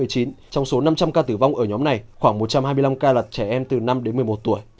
trong số năm trăm linh ca tử vong ở nhóm này khoảng một trăm hai mươi năm ca là trẻ em từ năm đến một mươi một tuổi